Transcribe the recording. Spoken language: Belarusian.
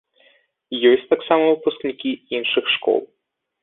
Ёсць таксама выпускнікі іншых школ.